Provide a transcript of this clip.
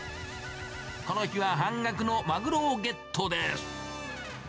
この日は半額のマグロをゲットです。